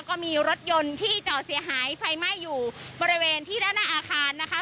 ก็มีรถยนต์ที่จอดเสียหายไฟไหม้อยู่บริเวณที่ด้านหน้าอาคารนะคะ